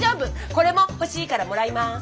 これも欲しいからもらいます。